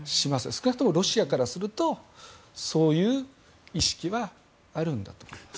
少なくともロシアからするとそういう意識はあるんだと思いますね。